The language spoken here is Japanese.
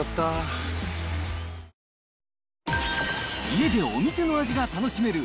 家でお店の味が楽しめる！